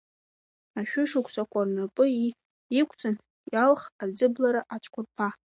Ашәышықәсақәа рнапы иқәҵан, иалх аӡыблара ацәқәырԥа.